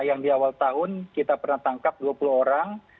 yang di awal tahun kita pernah tangkap dua puluh orang